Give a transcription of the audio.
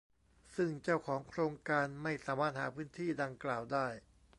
ซึ่งเจ้าของโครงการไม่สามารถหาพื้นที่ดังกล่าวได้